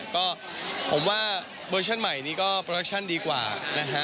ก็ผมว่าเวอร์ชั่นใหม่นี้ก็โปรดักชั่นดีกว่านะฮะ